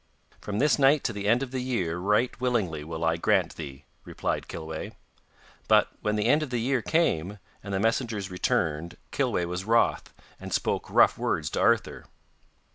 'From this night to the end of the year right willingly will I grant thee,' replied Kilweh; but when the end of the year came and the messengers returned Kilweh was wroth, and spoke rough words to Arthur.